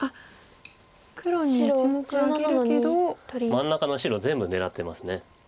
真ん中の白全部狙ってます。